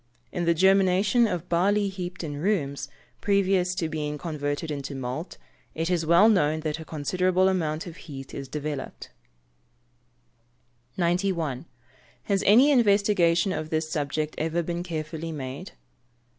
In the germination of barley heaped in rooms, previous to being converted into malt, it is well known that a considerable amount of heat is developed. 91. _Has any investigation of this subject ever been carefully made?